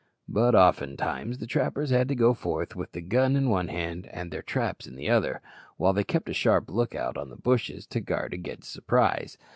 But oftentimes the trappers had to go forth with the gun in one hand and their traps in the other, while they kept a sharp look out on the bushes to guard against surprise.